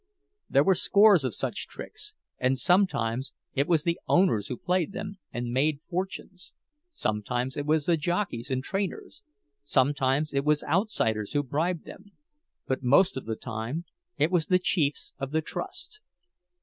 There were scores of such tricks; and sometimes it was the owners who played them and made fortunes, sometimes it was the jockeys and trainers, sometimes it was outsiders, who bribed them—but most of the time it was the chiefs of the trust.